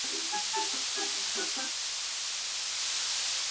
ფრთები მოკლე, ძირში განიერი, ხოლო ბოლოში შევიწროებულია.